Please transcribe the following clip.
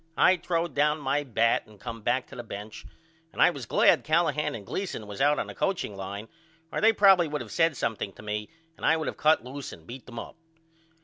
I throwed down my bat and come back to the bench and I was glad Callahan and Gleason was out on the coaching line or they probably would of said something to me and I would of cut loose and beat them up.